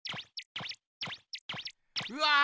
うわ！